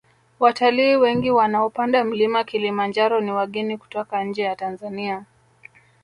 watalii wengi wanaopanda mlima kilimanjaro ni wageni kutoka nje ya tanzania